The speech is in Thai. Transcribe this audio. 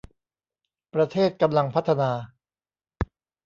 ประเทศกำลังพัฒนา